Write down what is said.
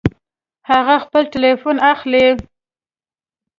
هغه خپل ټيليفون اخلي